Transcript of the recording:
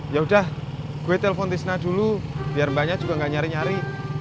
yaudah gue telepon tisna dulu biar mbaknya juga gak nyari nyari